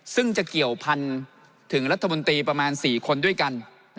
ซึ่งจะเกี่ยวพันธุ์ถึงรัฐมนตรีประมาณ๔คนด้วยกัน